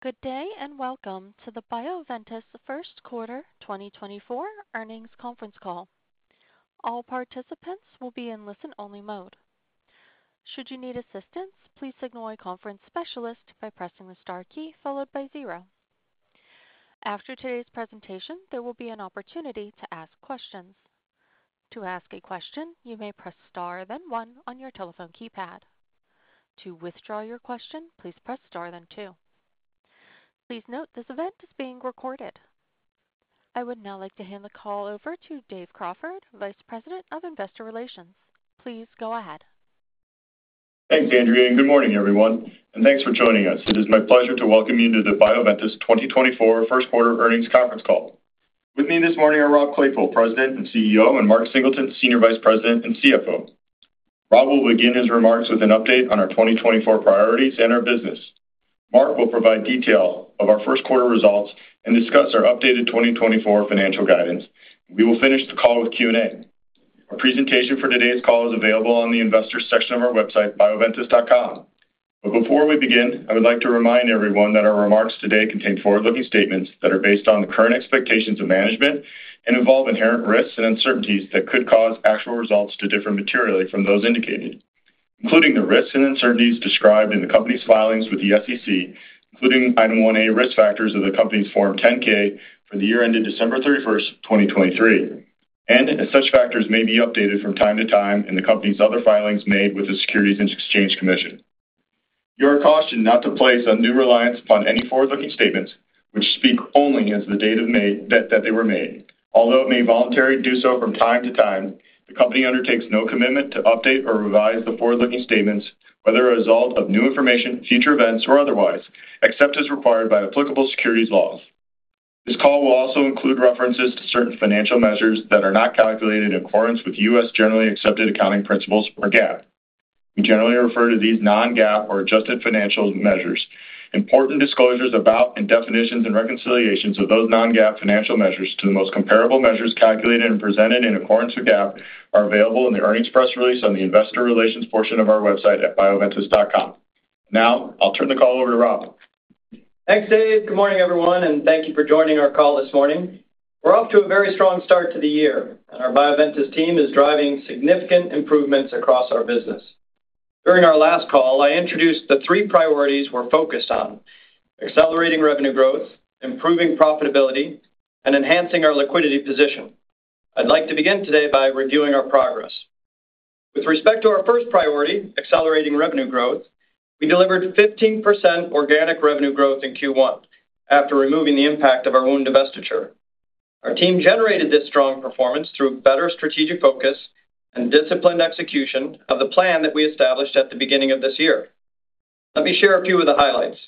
Good day and welcome to the Bioventus First Quarter 2024 Earnings Conference Call. All participants will be in listen-only mode. Should you need assistance, please dial Conference Specialist by pressing the star key followed by zero. After today's presentation, there will be an opportunity to ask questions. To ask a question, you may press star then one on your telephone keypad. To withdraw your question, please press star then two. Please note this event is being recorded. I would now like to hand the call over to Dave Crawford, Vice President of Investor Relations. Please go ahead. Thanks, Andrea, and good morning, everyone. Thanks for joining us. It is my pleasure to welcome you to the Bioventus 2024 First Quarter Earnings Conference Call. With me this morning are Rob Claypoole, President and CEO, and Mark Singleton, Senior Vice President and CFO. Rob will begin his remarks with an update on our 2024 priorities and our business. Mark will provide detail of our first quarter results and discuss our updated 2024 financial guidance. We will finish the call with Q&A. Our presentation for today's call is available on the Investors section of our website, bioventus.com. Before we begin, I would like to remind everyone that our remarks today contain forward-looking statements that are based on the current expectations of management and involve inherent risks and uncertainties that could cause actual results to differ materially from those indicated, including the risks and uncertainties described in the company's filings with the SEC, including Item 1A, Risk Factors of the company's Form 10-K for the year ended December 31st, 2023. Such factors may be updated from time to time in the company's other filings made with the Securities and Exchange Commission. You are cautioned not to place undue reliance upon any forward-looking statements which speak only as of the date they were made. Although it may voluntarily do so from time to time, the company undertakes no commitment to update or revise the forward-looking statements, whether a result of new information, future events, or otherwise, except as required by applicable securities laws. This call will also include references to certain financial measures that are not calculated in accordance with U.S. generally accepted accounting principles or GAAP. We generally refer to these non-GAAP or adjusted financial measures. Important disclosures about and definitions and reconciliations of those non-GAAP financial measures to the most comparable measures calculated and presented in accordance with GAAP are available in the earnings press release on the Investor Relations portion of our website at Bioventus.com. Now I'll turn the call over to Rob. Thanks, Dave. Good morning, everyone, and thank you for joining our call this morning. We're off to a very strong start to the year, and our Bioventus team is driving significant improvements across our business. During our last call, I introduced the three priorities we're focused on: accelerating revenue growth, improving profitability, and enhancing our liquidity position. I'd like to begin today by reviewing our progress. With respect to our first priority, accelerating revenue growth, we delivered 15% organic revenue growth in Q1 after removing the impact of our wound divestiture. Our team generated this strong performance through better strategic focus and disciplined execution of the plan that we established at the beginning of this year. Let me share a few of the highlights.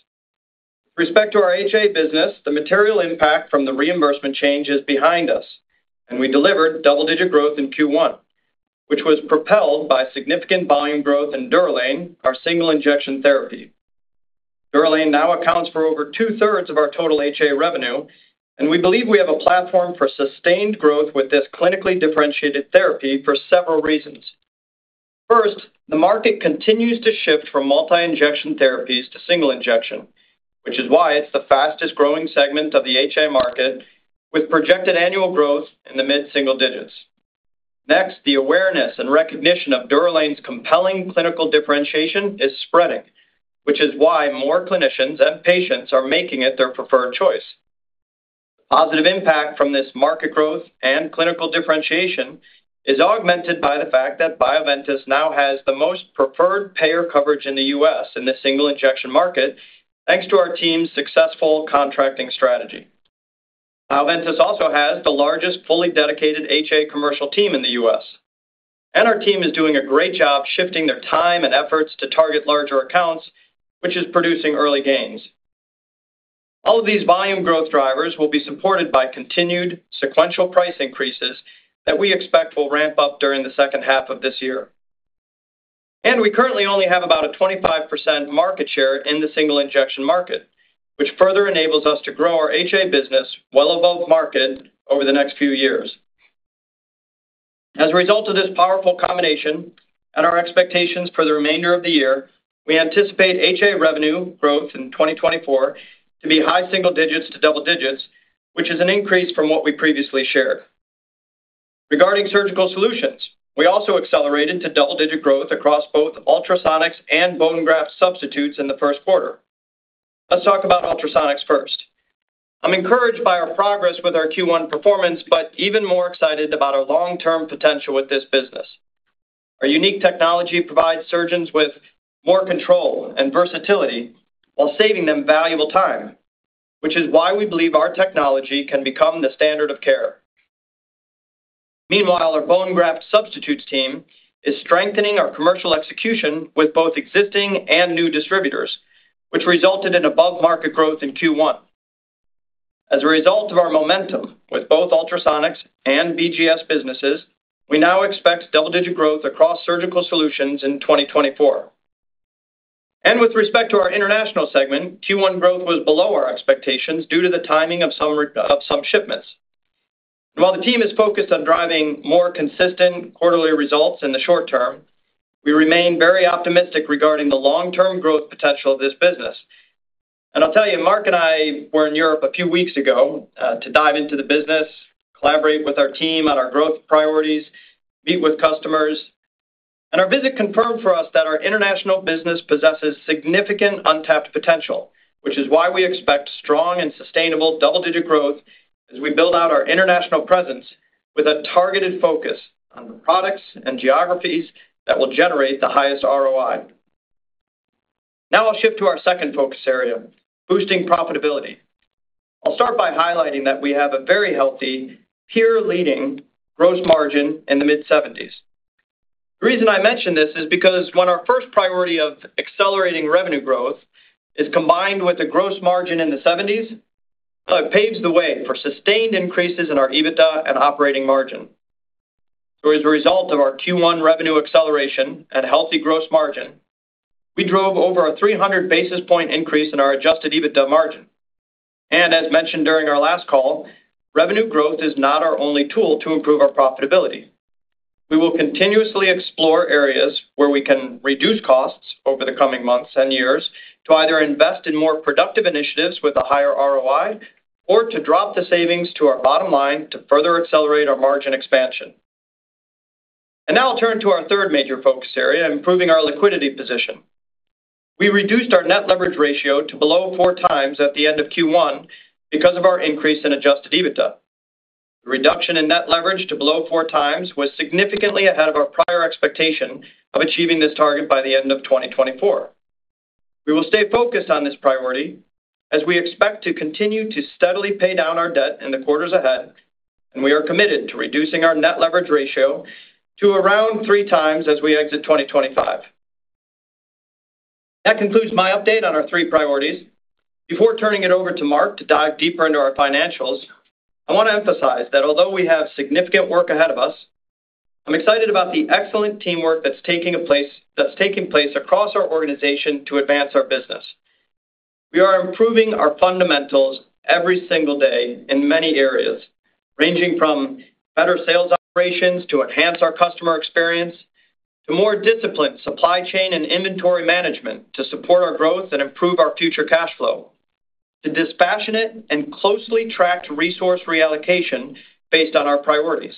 With respect to our HA business, the material impact from the reimbursement change is behind us, and we delivered double-digit growth in Q1, which was propelled by significant volume growth in DUROLANE, our single-injection therapy. DUROLANE now accounts for over 2/3 of our total HA revenue, and we believe we have a platform for sustained growth with this clinically differentiated therapy for several reasons. First, the market continues to shift from multi-injection therapies to single-injection, which is why it's the fastest-growing segment of the HA market, with projected annual growth in the mid-single digits. Next, the awareness and recognition of DUROLANE's compelling clinical differentiation is spreading, which is why more clinicians and patients are making it their preferred choice. The positive impact from this market growth and clinical differentiation is augmented by the fact that Bioventus now has the most preferred payer coverage in the U.S. In the single-injection market, thanks to our team's successful contracting strategy. Bioventus also has the largest fully dedicated HA commercial team in the U.S., and our team is doing a great job shifting their time and efforts to target larger accounts, which is producing early gains. All of these volume growth drivers will be supported by continued sequential price increases that we expect will ramp up during the second half of this year. We currently only have about a 25% market share in the single-injection market, which further enables us to grow our HA business well above market over the next few years. As a result of this powerful combination and our expectations for the remainder of the year, we anticipate HA revenue growth in 2024 to be high single digits to double digits, which is an increase from what we previously shared. Regarding Surgical Solutions, we also accelerated to double-digit growth across both Ultrasonics and bone graft substitutes in the first quarter. Let's talk about Ultrasonics first. I'm encouraged by our progress with our Q1 performance but even more excited about our long-term potential with this business. Our unique technology provides surgeons with more control and versatility while saving them valuable time, which is why we believe our technology can become the standard of care. Meanwhile, our bone graft substitutes team is strengthening our commercial execution with both existing and new distributors, which resulted in above-market growth in Q1. As a result of our momentum with both Ultrasonics and BGS businesses, we now expect double-digit growth across Surgical Solutions in 2024. With respect to our international segment, Q1 growth was below our expectations due to the timing of some shipments. While the team is focused on driving more consistent quarterly results in the short term, we remain very optimistic regarding the long-term growth potential of this business. And I'll tell you, Mark and I were in Europe a few weeks ago to dive into the business, collaborate with our team on our growth priorities, meet with customers. Our visit confirmed for us that our international business possesses significant untapped potential, which is why we expect strong and sustainable double-digit growth as we build out our international presence with a targeted focus on the products and geographies that will generate the highest ROI. Now I'll shift to our second focus area, boosting profitability. I'll start by highlighting that we have a very healthy, peer-leading gross margin in the mid-70s%. The reason I mention this is because when our first priority of accelerating revenue growth is combined with a gross margin in the 70s%, it paves the way for sustained increases in our EBITDA and operating margin. As a result of our Q1 revenue acceleration and healthy gross margin, we drove over a 300 basis point increase in our adjusted EBITDA margin. As mentioned during our last call, revenue growth is not our only tool to improve our profitability. We will continuously explore areas where we can reduce costs over the coming months and years to either invest in more productive initiatives with a higher ROI or to drop the savings to our bottom line to further accelerate our margin expansion. Now I'll turn to our third major focus area, improving our liquidity position. We reduced our net leverage ratio to below 4x at the end of Q1 because of our increase in adjusted EBITDA. The reduction in net leverage to below 4x was significantly ahead of our prior expectation of achieving this target by the end of 2024. We will stay focused on this priority as we expect to continue to steadily pay down our debt in the quarters ahead, and we are committed to reducing our net leverage ratio to around 3x as we exit 2025. That concludes my update on our three priorities. Before turning it over to Mark to dive deeper into our financials, I want to emphasize that although we have significant work ahead of us, I'm excited about the excellent teamwork that's taking place across our organization to advance our business. We are improving our fundamentals every single day in many areas, ranging from better sales operations to enhance our customer experience, to more disciplined supply chain and inventory management to support our growth and improve our future cash flow, to dispassionate and closely tracked resource reallocation based on our priorities.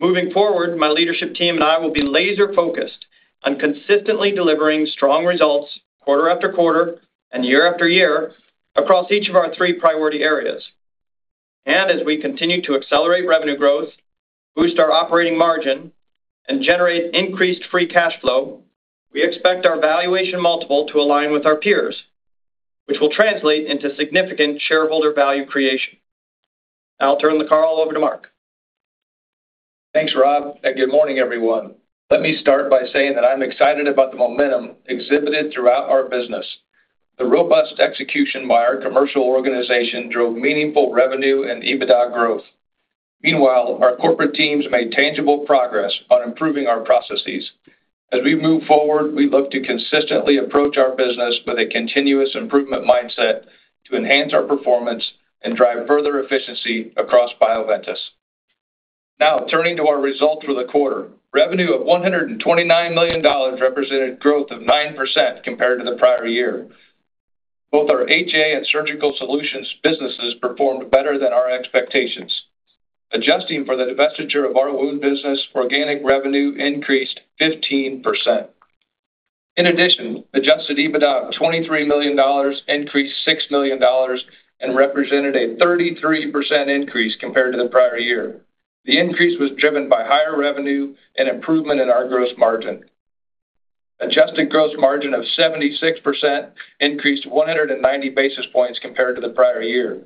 Moving forward, my leadership team and I will be laser-focused on consistently delivering strong results quarter-after-quarter and year-after-year across each of our three priority areas. As we continue to accelerate revenue growth, boost our operating margin, and generate increased free cash flow, we expect our valuation multiple to align with our peers, which will translate into significant shareholder value creation. Now I'll turn the call over to Mark. Thanks, Rob, and good morning, everyone. Let me start by saying that I'm excited about the momentum exhibited throughout our business. The robust execution by our commercial organization drove meaningful revenue and EBITDA growth. Meanwhile, our corporate teams made tangible progress on improving our processes. As we move forward, we look to consistently approach our business with a continuous improvement mindset to enhance our performance and drive further efficiency across Bioventus. Now turning to our results for the quarter. Revenue of $129 million represented growth of 9% compared to the prior year. Both our HA and Surgical Solutions businesses performed better than our expectations. Adjusting for the divestiture of our wound business, organic revenue increased 15%. In addition, adjusted EBITDA of $23 million increased $6 million and represented a 33% increase compared to the prior year. The increase was driven by higher revenue and improvement in our gross margin. Adjusted gross margin of 76% increased 190 basis points compared to the prior year.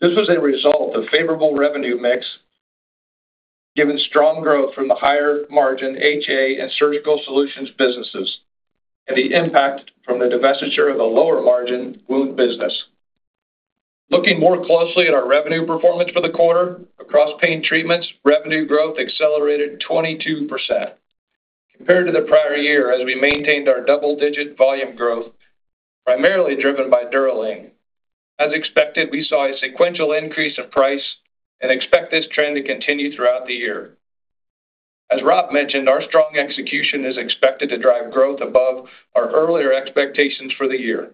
This was a result of favorable revenue mix given strong growth from the higher margin HA and Surgical Solutions businesses and the impact from the divestiture of the lower margin wound business. Looking more closely at our revenue performance for the quarter, across Pain Treatments, revenue growth accelerated 22% compared to the prior year as we maintained our double-digit volume growth, primarily driven by DUROLANE. As expected, we saw a sequential increase in price and expect this trend to continue throughout the year. As Rob mentioned, our strong execution is expected to drive growth above our earlier expectations for the year.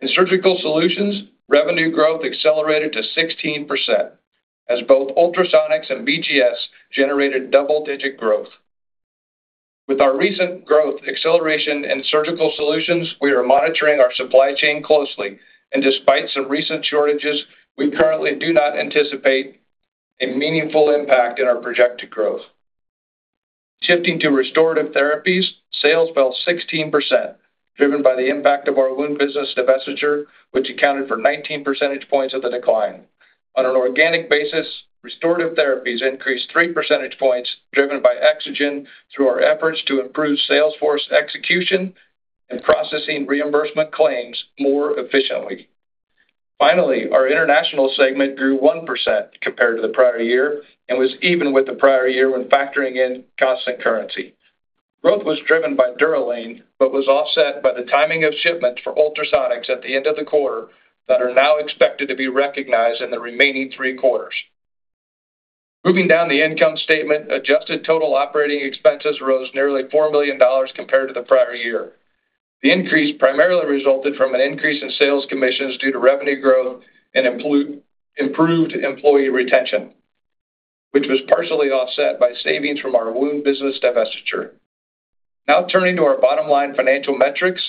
In Surgical Solutions, revenue growth accelerated to 16% as both Ultrasonics and BGS generated double-digit growth. With our recent growth acceleration in Surgical Solutions, we are monitoring our supply chain closely, and despite some recent shortages, we currently do not anticipate a meaningful impact in our projected growth. Shifting to Restorative Therapies, sales fell 16% driven by the impact of our wound business divestiture, which accounted for 19 percentage points of the decline. On an organic basis, Restorative Therapies increased 3 percentage points driven by EXOGEN through our efforts to improve sales force execution and processing reimbursement claims more efficiently. Finally, our international segment grew 1% compared to the prior year and was even with the prior year when factoring in constant currency. Growth was driven by DUROLANE but was offset by the timing of shipments for ultrasonics at the end of the quarter that are now expected to be recognized in the remaining three quarters. Moving down the income statement, adjusted total operating expenses rose nearly $4 million compared to the prior year. The increase primarily resulted from an increase in sales commissions due to revenue growth and improved employee retention, which was partially offset by savings from our wound business divestiture. Now turning to our bottom line financial metrics,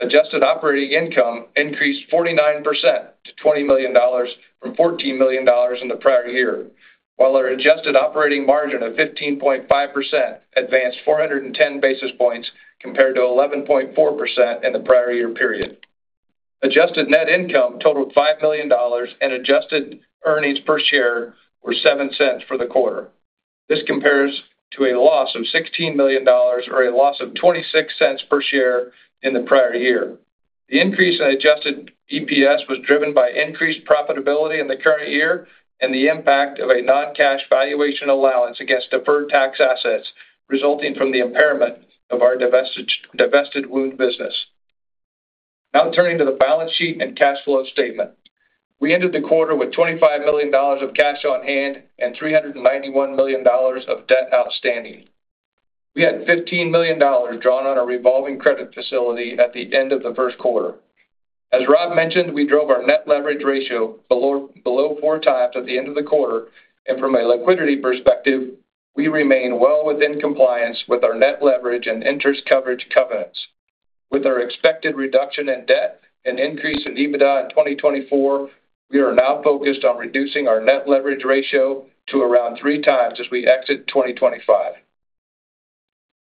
adjusted operating income increased 49% to $20 million from $14 million in the prior year, while our adjusted operating margin of 15.5% advanced 410 basis points compared to 11.4% in the prior year period. Adjusted net income totaled $5 million, and adjusted earnings per share were $0.07 for the quarter. This compares to a loss of $16 million or a loss of $0.26 per share in the prior year. The increase in adjusted EPS was driven by increased profitability in the current year and the impact of a non-cash valuation allowance against deferred tax assets resulting from the impairment of our divested wound business. Now turning to the balance sheet and cash flow statement. We ended the quarter with $25 million of cash on hand and $391 million of debt outstanding. We had $15 million drawn on a revolving credit facility at the end of the first quarter. As Rob mentioned, we drove our net leverage ratio below 4x at the end of the quarter, and from a liquidity perspective, we remain well within compliance with our net leverage and interest coverage covenants. With our expected reduction in debt and increase in EBITDA in 2024, we are now focused on reducing our net leverage ratio to around 3x as we exit 2025.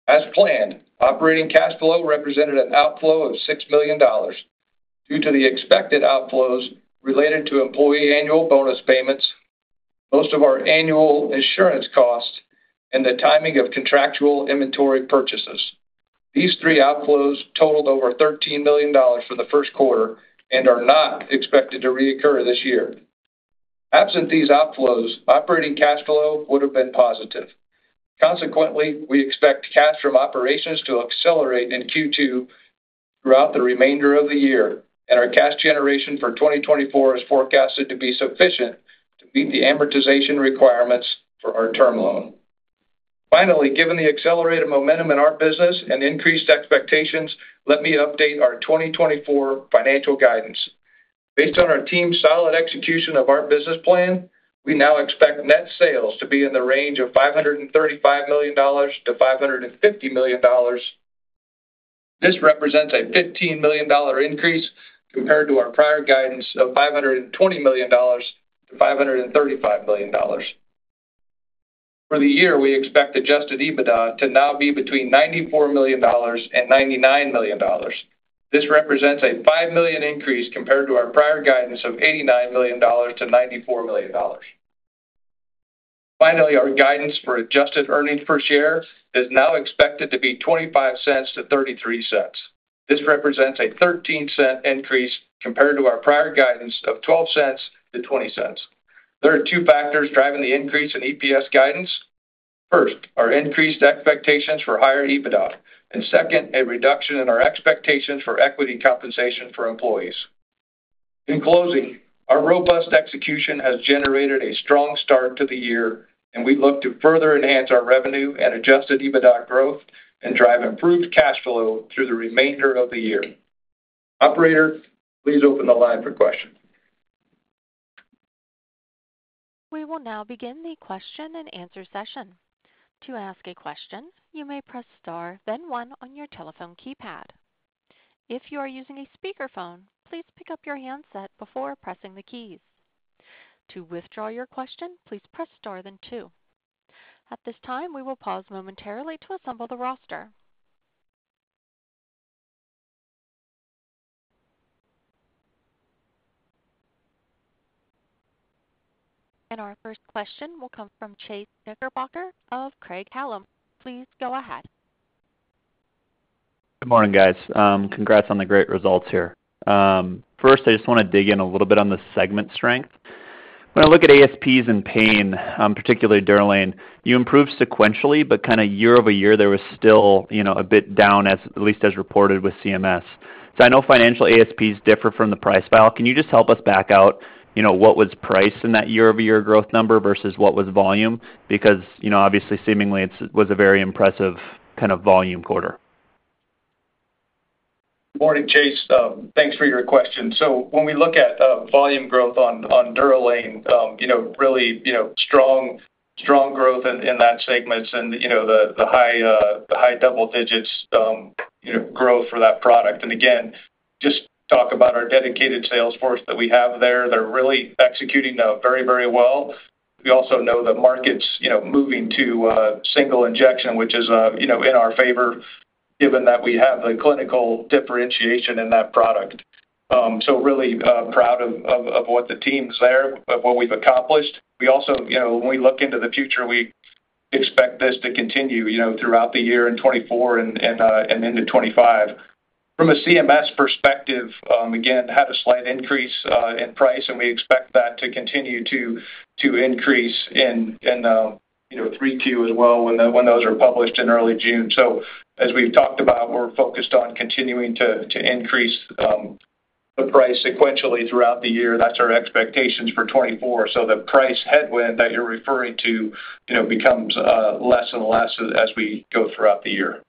As planned, operating cash flow represented an outflow of $6 million due to the expected outflows related to employee annual bonus payments, most of our annual insurance costs, and the timing of contractual inventory purchases. These three outflows totaled over $13 million for the first quarter and are not expected to reoccur this year. Absent these outflows, operating cash flow would have been positive. Consequently, we expect cash from operations to accelerate in Q2 throughout the remainder of the year, and our cash generation for 2024 is forecasted to be sufficient to meet the amortization requirements for our term loan. Finally, given the accelerated momentum in our business and increased expectations, let me update our 2024 financial guidance. Based on our team's solid execution of our business plan, we now expect net sales to be in the range of $535 million-$550 million. This represents a $15 million increase compared to our prior guidance of $520 million-$535 million. For the year, we expect Adjusted EBITDA to now be between $94 million and $99 million. This represents a $5 million increase compared to our prior guidance of $89 million-$94 million. Finally, our guidance for adjusted earnings per share is now expected to be $0.25-$0.33. This represents a $0.13 increase compared to our prior guidance of $0.12-$0.20. There are two factors driving the increase in EPS guidance. First, our increased expectations for higher EBITDA, and second, a reduction in our expectations for equity compensation for employees. In closing, our robust execution has generated a strong start to the year, and we look to further enhance our revenue and adjusted EBITDA growth and drive improved cash flow through the remainder of the year. Operator, please open the line for questions. We will now begin the question and answer session. To ask a question, you may press star, then one on your telephone keypad. If you are using a speakerphone, please pick up your handset before pressing the keys. To withdraw your question, please press star, then two. At this time, we will pause momentarily to assemble the roster. Our first question will come from Chase Knickerbocker of Craig-Hallum. Please go ahead. Good morning, guys. Congrats on the great results here. First, I just want to dig in a little bit on the segment strength. When I look at ASPs in pain, particularly DUROLANE, you improved sequentially, but kind of year-over-year, there was still a bit down, at least as reported with CMS. So I know financial ASPs differ from the price file. Can you just help us back out what was price in that year-over-year growth number versus what was volume? Because obviously, seemingly, it was a very impressive kind of volume quarter. Morning, Chase. Thanks for your question. So when we look at volume growth on DUROLANE, really strong growth in that segment and the high double-digit growth for that product. And again, just talk about our dedicated sales force that we have there. They're really executing very, very well. We also know the market's moving to single injection, which is in our favor given that we have the clinical differentiation in that product. So really proud of what the team's there, of what we've accomplished. We also, when we look into the future, we expect this to continue throughout the year in 2024 and into 2025. From a CMS perspective, again, had a slight increase in price, and we expect that to continue to increase in 3Q as well when those are published in early June. So as we've talked about, we're focused on continuing to increase the price sequentially throughout the year. That's our expectations for 2024. So the price headwind that you're referring to becomes less and less as we go throughout the year.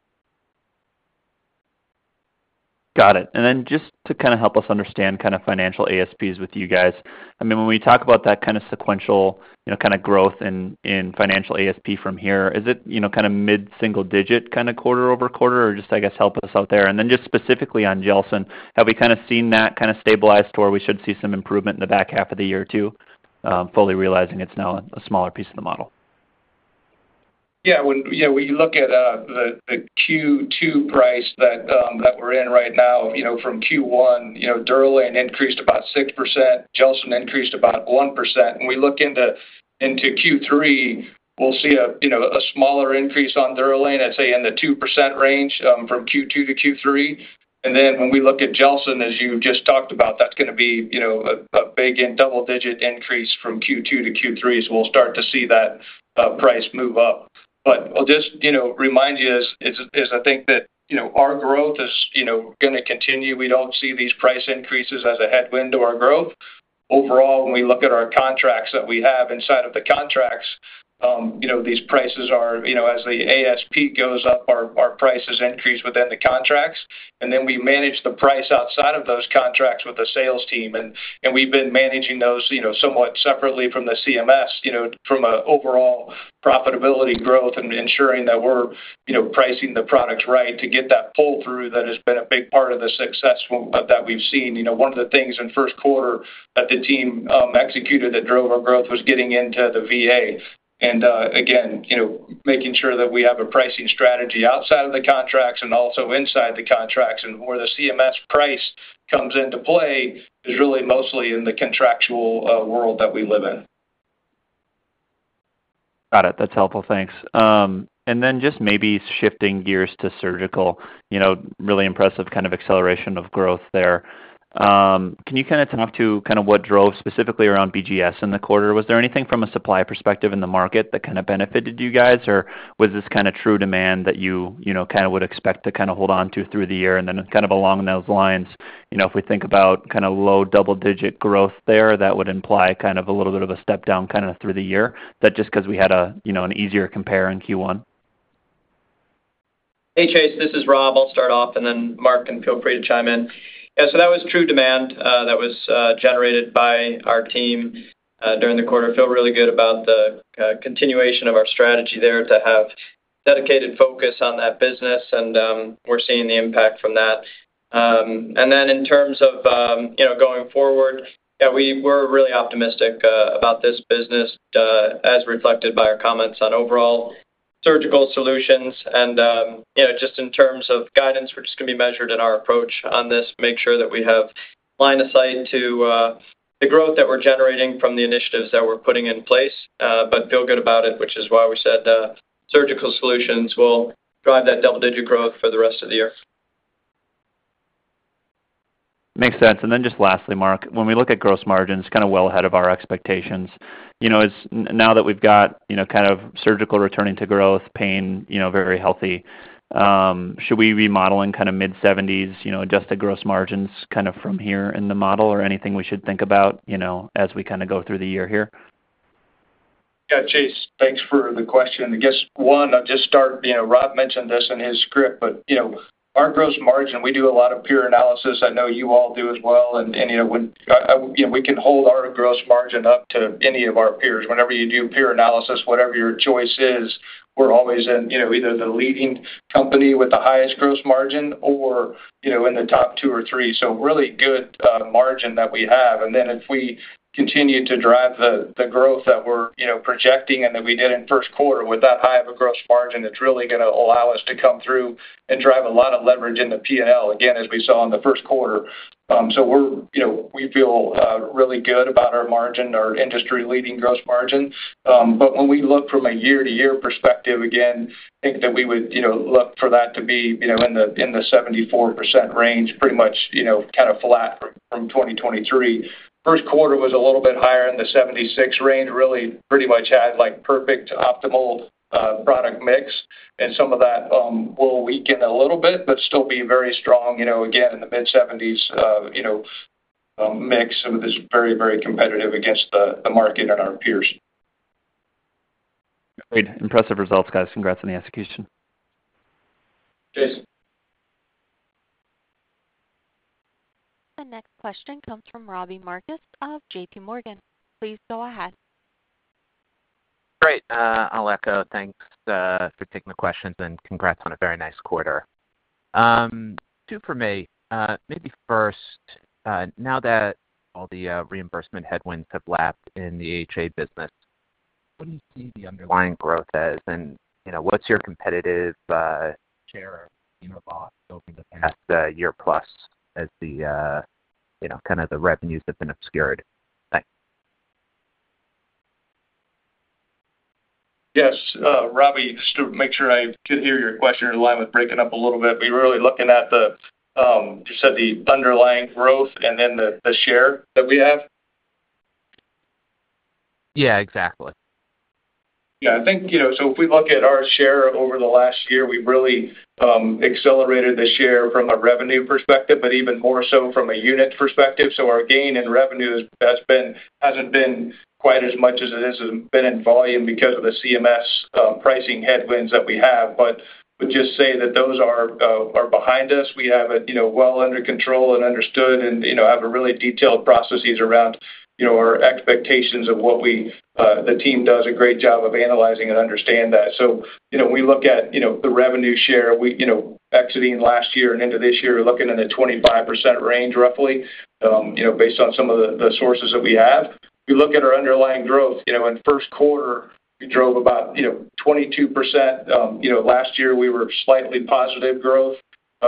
Got it. And then just to kind of help us understand kind of financial ASPs with you guys, I mean, when we talk about that kind of sequential kind of growth in financial ASP from here, is it kind of mid-single-digit kind of quarter-over-quarter, or just, I guess, help us out there? And then just specifically on GELSYN, have we kind of seen that kind of stabilized to where we should see some improvement in the back half of the year too, fully realizing it's now a smaller piece of the model? Yeah. When you look at the Q2 price that we're in right now, from Q1, DUROLANE increased about 6%, GELSYN increased about 1%. When we look into Q3, we'll see a smaller increase on DUROLANE, I'd say, in the 2% range from Q2 to Q3. And then when we look at GELSYN, as you just talked about, that's going to be a big double-digit increase from Q2 to Q3, so we'll start to see that price move up. But I'll just remind you, as I think that our growth is going to continue. We don't see these price increases as a headwind to our growth. Overall, when we look at our contracts that we have, inside of the contracts, these prices are as the ASP goes up, our prices increase within the contracts. And then we manage the price outside of those contracts with the sales team. We've been managing those somewhat separately from the CMS, from overall profitability growth and ensuring that we're pricing the products right to get that pull-through that has been a big part of the success that we've seen. One of the things in first quarter that the team executed that drove our growth was getting into the VA and, again, making sure that we have a pricing strategy outside of the contracts and also inside the contracts. Where the CMS price comes into play is really mostly in the contractual world that we live in. Got it. That's helpful. Thanks. And then just maybe shifting gears to surgical, really impressive kind of acceleration of growth there. Can you kind of talk to kind of what drove specifically around BGS in the quarter? Was there anything from a supply perspective in the market that kind of benefited you guys, or was this kind of true demand that you kind of would expect to kind of hold on to through the year? And then kind of along those lines, if we think about kind of low double-digit growth there, that would imply kind of a little bit of a step down kind of through the year, that just because we had an easier compare in Q1? Hey, Chase. This is Rob. I'll start off, and then Mark can feel free to chime in. Yeah, so that was true demand that was generated by our team during the quarter. Feel really good about the continuation of our strategy there to have dedicated focus on that business, and we're seeing the impact from that. And then in terms of going forward, yeah, we're really optimistic about this business as reflected by our comments on overall Surgical Solutions. And just in terms of guidance, we're just going to be measured in our approach on this, make sure that we have line of sight to the growth that we're generating from the initiatives that we're putting in place, but feel good about it, which is why we said Surgical Solutions will drive that double-digit growth for the rest of the year. Makes sense. And then just lastly, Mark, when we look at gross margins, kind of well ahead of our expectations, now that we've got kind of surgical returning to growth, pain very healthy, should we be modeling kind of mid-70s%, adjusted gross margins kind of from here in the model, or anything we should think about as we kind of go through the year here? Yeah, Chase, thanks for the question. I guess, one, I'll just start. Rob mentioned this in his script, but our gross margin, we do a lot of peer analysis. I know you all do as well. And we can hold our gross margin up to any of our peers. Whenever you do peer analysis, whatever your choice is, we're always in either the leading company with the highest gross margin or in the top two or three. So really good margin that we have. And then if we continue to drive the growth that we're projecting and that we did in first quarter with that high of a gross margin, it's really going to allow us to come through and drive a lot of leverage in the P&L, again, as we saw in the first quarter. So we feel really good about our margin, our industry-leading gross margin. But when we look from a year-to-year perspective, again, I think that we would look for that to be in the 74% range, pretty much kind of flat from 2023. First quarter was a little bit higher in the 76% range, really pretty much had perfect, optimal product mix. And some of that will weaken a little bit but still be very strong, again, in the mid-70s% mix, and it's very, very competitive against the market and our peers. Agreed. Impressive results, guys. Congrats on the execution. Thanks. The next question comes from Robbie Marcus of JPMorgan. Please go ahead. Great. I'll echo. Thanks for taking the questions, and congrats on a very nice quarter. Two for me. Maybe first, now that all the reimbursement headwinds have lapped in the HA business, what do you see the underlying growth as? And what's your competitive share of BGS over the past year-plus as kind of the revenues have been obscured? Thanks. Yes. Robbie, just to make sure I could hear your question in line with breaking up a little bit, we were really looking at, you said, the underlying growth and then the share that we have? Yeah, exactly. Yeah, I think so if we look at our share over the last year, we've really accelerated the share from a revenue perspective, but even more so from a unit perspective. So our gain in revenue hasn't been quite as much as it has been in volume because of the CMS pricing headwinds that we have. But would just say that those are behind us. We have it well under control and understood and have really detailed processes around our expectations of what the team does a great job of analyzing and understand that. So when we look at the revenue share exiting last year and into this year, we're looking in the 25% range, roughly, based on some of the sources that we have. We look at our underlying growth. In first quarter, we drove about 22%. Last year, we were slightly positive growth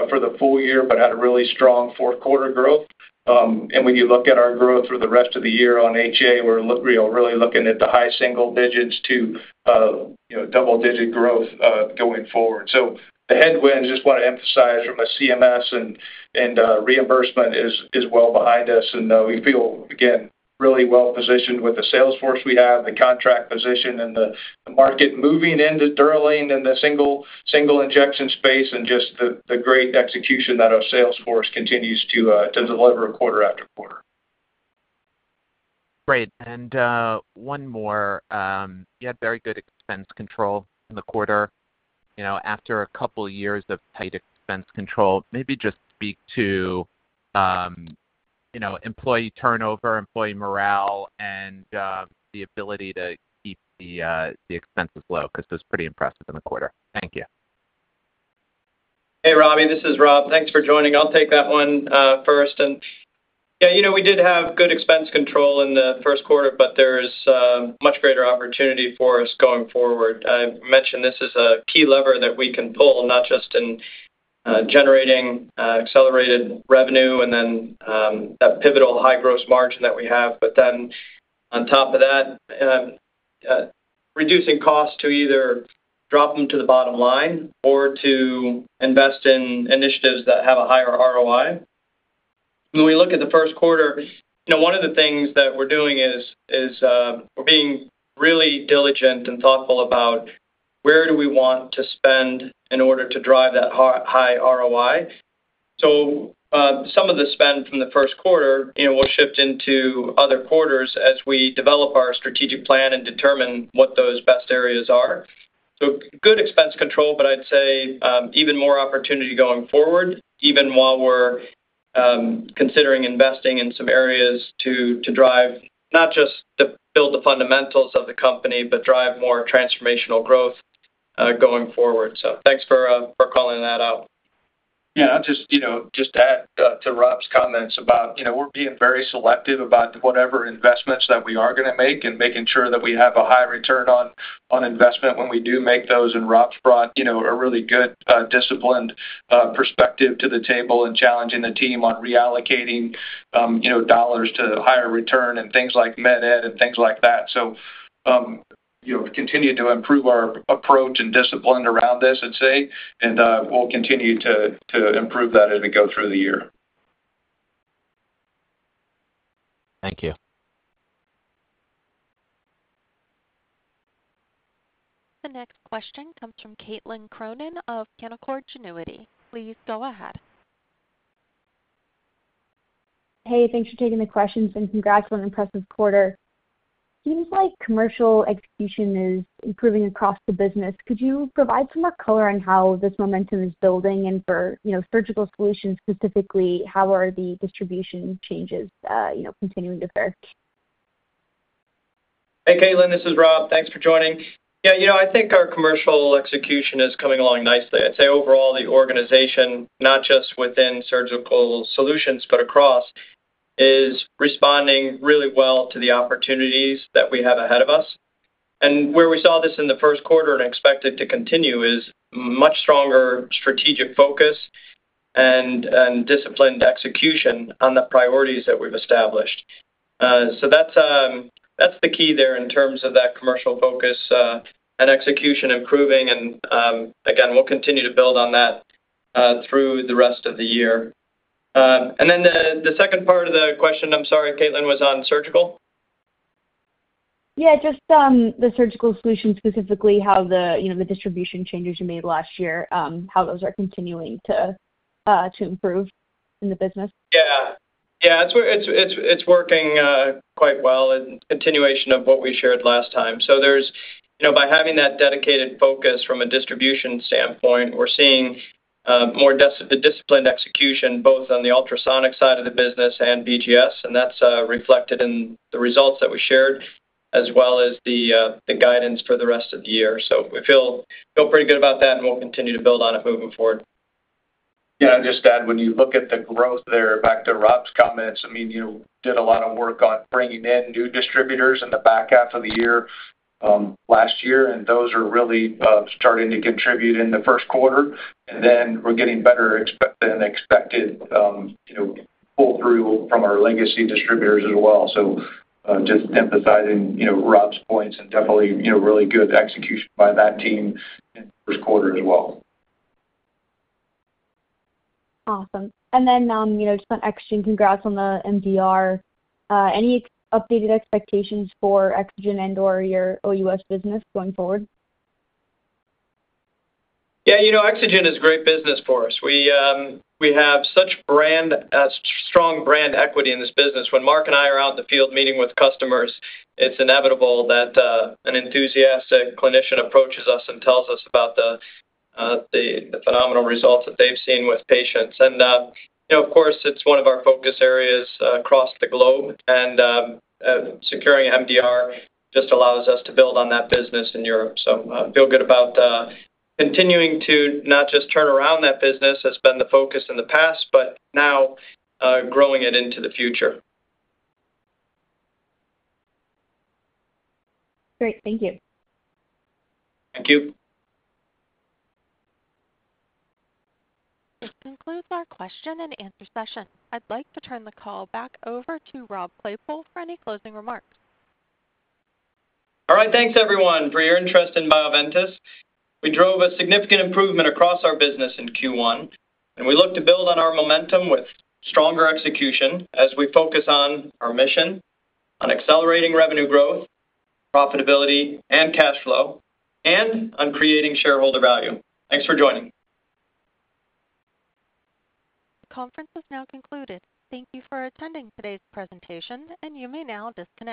for the full year but had a really strong fourth-quarter growth. When you look at our growth for the rest of the year on HA, we're really looking at the high single-digits to double-digit growth going forward. The headwinds, just want to emphasize, from a CMS and reimbursement is well behind us. We feel, again, really well-positioned with the sales force we have, the contract position, and the market moving into DUROLANE in the single-injection space, and just the great execution that our sales force continues to deliver quarter-after-quarter. Great. And one more. You had very good expense control in the quarter. After a couple of years of tight expense control, maybe just speak to employee turnover, employee morale, and the ability to keep the expenses low because it was pretty impressive in the quarter. Thank you. Hey, Robbie. This is Rob. Thanks for joining. I'll take that one first. And yeah, we did have good expense control in the first quarter, but there's much greater opportunity for us going forward. I mentioned this is a key lever that we can pull, not just in generating accelerated revenue and then that pivotal high gross margin that we have, but then on top of that, reducing costs to either drop them to the bottom line or to invest in initiatives that have a higher ROI. When we look at the first quarter, one of the things that we're doing is we're being really diligent and thoughtful about where do we want to spend in order to drive that high ROI. So some of the spend from the first quarter will shift into other quarters as we develop our strategic plan and determine what those best areas are. So, good expense control, but I'd say even more opportunity going forward, even while we're considering investing in some areas to drive, not just build, the fundamentals of the company but drive more transformational growth going forward. So, thanks for calling that out. Yeah, I'll just add to Rob's comments about we're being very selective about whatever investments that we are going to make and making sure that we have a high return on investment when we do make those. And Rob's brought a really good disciplined perspective to the table and challenging the team on reallocating dollars to higher return and things like MedEd and things like that. So continue to improve our approach and discipline around this, I'd say, and we'll continue to improve that as we go through the year. Thank you. The next question comes from Caitlin Cronin of Canaccord Genuity. Please go ahead. Hey, thanks for taking the questions, and congrats on an impressive quarter. Seems like commercial execution is improving across the business. Could you provide some more color on how this momentum is building? And for Surgical Solutions specifically, how are the distribution changes continuing to fare? Hey, Caitlin. This is Rob. Thanks for joining. Yeah, I think our commercial execution is coming along nicely. I'd say overall, the organization, not just within Surgical Solutions but across, is responding really well to the opportunities that we have ahead of us. And where we saw this in the first quarter and expected to continue is much stronger strategic focus and disciplined execution on the priorities that we've established. So that's the key there in terms of that commercial focus and execution improving. And again, we'll continue to build on that through the rest of the year. And then the second part of the question, I'm sorry, Caitlin, was on Surgical? Yeah, just the surgical solution specifically, how the distribution changes you made last year, how those are continuing to improve in the business? Yeah. Yeah, it's working quite well, a continuation of what we shared last time. So by having that dedicated focus from a distribution standpoint, we're seeing more disciplined execution both on the ultrasonic side of the business and BGS. And that's reflected in the results that we shared as well as the guidance for the rest of the year. So we feel pretty good about that, and we'll continue to build on it moving forward. Yeah, I'll just add, when you look at the growth there, back to Rob's comments, I mean, you did a lot of work on bringing in new distributors in the back half of the year last year, and those are really starting to contribute in the first quarter. And then we're getting better than expected pull-through from our legacy distributors as well. So just emphasizing Rob's points and definitely really good execution by that team in the first quarter as well. Awesome. And then just on EXOGEN, congrats on the MDR. Any updated expectations for EXOGEN and/or your OUS business going forward? Yeah, EXOGEN is great business for us. We have such strong brand equity in this business. When Mark and I are out in the field meeting with customers, it's inevitable that an enthusiastic clinician approaches us and tells us about the phenomenal results that they've seen with patients. And of course, it's one of our focus areas across the globe. And securing MDR just allows us to build on that business in Europe. So feel good about continuing to not just turn around that business that's been the focus in the past but now growing it into the future. Great. Thank you. Thank you. This concludes our question and answer session. I'd like to turn the call back over to Rob Claypoole for any closing remarks. All right. Thanks, everyone, for your interest in Bioventus. We drove a significant improvement across our business in Q1, and we look to build on our momentum with stronger execution as we focus on our mission, on accelerating revenue growth, profitability, and cash flow, and on creating shareholder value. Thanks for joining. The conference is now concluded. Thank you for attending today's presentation, and you may now disconnect.